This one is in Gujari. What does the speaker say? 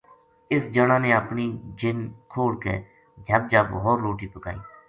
اِس جنا نے اپنی جِن کھوڑ کے جھب جھب ہور روٹی پکائی